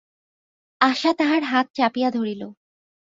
আশা তাহার হাত চাপিয়া ধরিল।